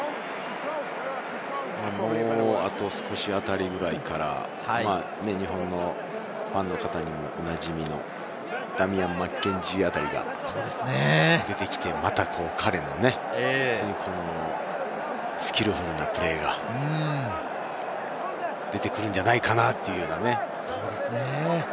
もうあと少しあたりぐらいから日本のファンの方にもおなじみのダミアン・マッケンジーあたりが出てきて、また彼のスキルフルなプレーが出てくるんじゃないかな。